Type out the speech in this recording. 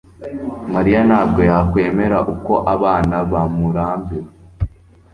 Mariya ntabwo yakwemera uko abana bamurambiwe